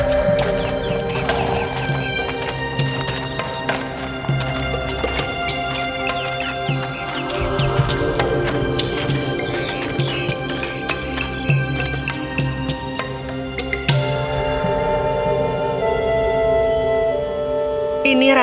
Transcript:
aku akan melakukannya sendirian